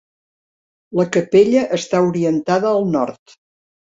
La capella està orientada al nord.